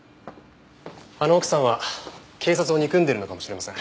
あの奥さんは警察を憎んでいるのかもしれません。